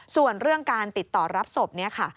ส่วนเรื่องการติดต่อรับศพนี้ค่ะ